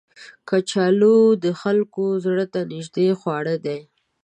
کچالو د خلکو زړه ته نیژدې خواړه دي